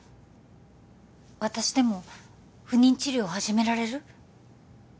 私でも不妊治療始められる？